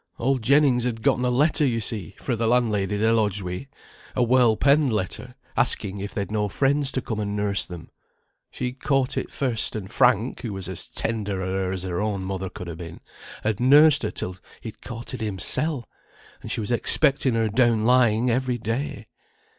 Old Jennings had gotten a letter, yo see, fra' the landlady they lodged wi'; a well penned letter, asking if they'd no friends to come and nurse them. She'd caught it first, and Frank, who was as tender o' her as her own mother could ha' been, had nursed her till he'd caught it himsel; and she expecting her down lying every day.